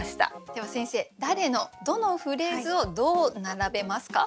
では先生誰のどのフレーズをどう並べますか？